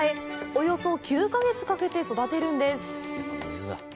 およそ９か月かけて育てるんです。